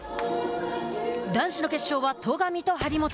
男子の決勝は戸上と張本。